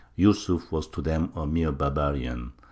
Yūsuf was to them a mere barbarian.